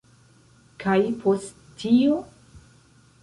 Kaj post tio?